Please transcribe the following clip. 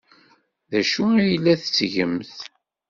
D acu ay la tettgemt?